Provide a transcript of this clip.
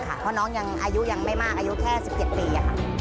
เพราะน้องยังอายุยังไม่มากอายุแค่๑๗ปีค่ะ